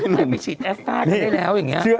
ให้ไปฉีดแอสต้ากันได้แล้วอย่างนี้